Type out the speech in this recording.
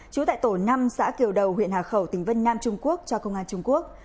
trú tại tổ năm xã kiều đầu huyện hà khẩu tỉnh vân nam trung quốc cho công an trung quốc